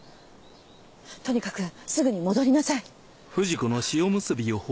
とにかくすぐに戻りなさい。